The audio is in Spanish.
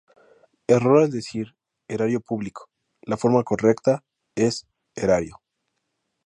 Error al decir "erario público" la forma correcta es "erario".